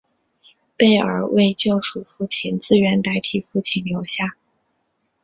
贝儿为救出父亲自愿代替父亲留下。